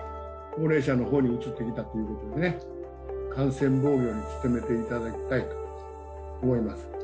高齢者のほうに移ってきたということで、感染防御に努めていただきたいと思います。